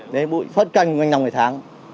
đến bụi phớt canh gần năm ngày tháng